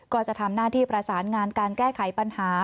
ก็จะทำหน้าที่ประสานงานการแก้ไขปัญหา